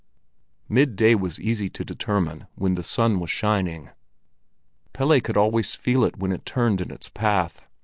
Midday was easy to determine when the sun was shining. Pelle could always feel it when it turned in its path.